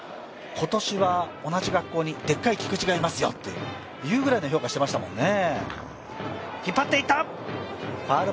今年は同じ学校にでっかい菊池がいますよというぐらいの評価してましたもんね。